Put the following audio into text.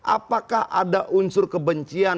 apakah ada unsur kebencian